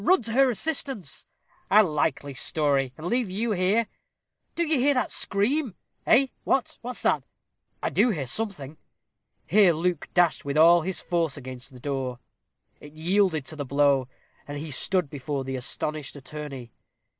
Run to her assistance." "A likely story, and leave you here." "Do you hear that scream?" "Eh, what what's that? I do hear something." Here Luke dashed with all his force against the door. It yielded to the blow, and he stood before the astonished attorney.